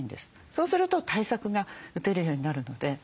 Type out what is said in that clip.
そうすると対策が打てるようになるので。